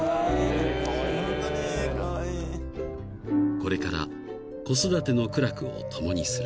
［これから子育ての苦楽を共にする］